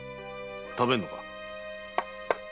食べんのか。